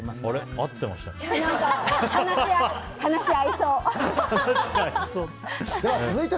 合ってましたね。